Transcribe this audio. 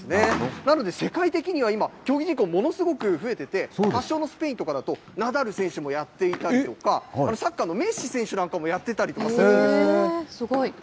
なので、世界的には今、競技人口、ものすごく増えてて、発祥のスペインとかだと、ナダル選手もやっていたりとか、サッカーのメッシ選手なんかもやってたりするんです。